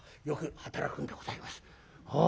よく働くんでございます。